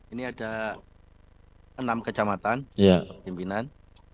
ini ada enam kejamatan pemimpinan